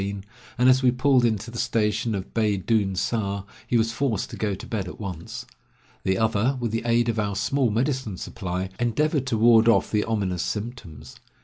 168 Across Asia on a Bicycle of August 15, and as we pulled into the station of Bay doon sah, he was forced to go to bed at once. The other, with the aid of our small medicine supply, endeavored to ward off the ominous symptoms.